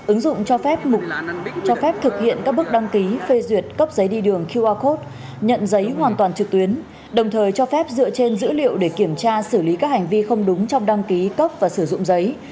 ứng dụng cho phép cho phép thực hiện các bước đăng ký phê duyệt cấp giấy đi đường qr code nhận giấy hoàn toàn trực tuyến đồng thời cho phép dựa trên dữ liệu để kiểm tra xử lý các hành vi không đúng trong đăng ký cấp và sử dụng giấy